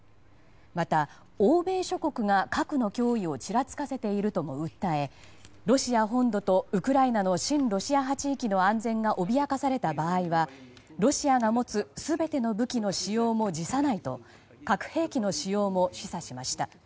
また、欧米諸国が核の脅威をちらつかせているとも訴えロシア本土とウクライナの親ロシア派地域の安全が脅かされた場合はロシアが持つ全ての武器の使用も辞さないと核兵器の使用も示唆しました。